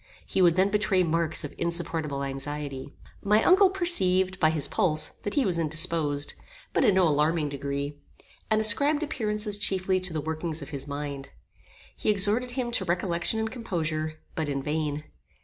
He would then betray marks of insupportable anxiety. My uncle perceived, by his pulse, that he was indisposed, but in no alarming degree, and ascribed appearances chiefly to the workings of his mind. He exhorted him to recollection and composure, but in vain.